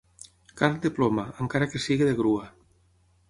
Carn de ploma, encara que sigui de grua.